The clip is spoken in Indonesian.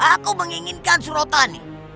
aku menginginkan surotani